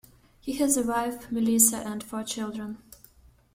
He has a wife, Melissa, and four children.